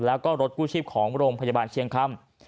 แล้วก็รถกู้ชีพของโรงพยาบาลเชียงคำ